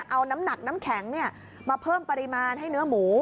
เอาน้ำหนักน้ำแข็งมาเพิ่มปริมาณให้เนื้อหมู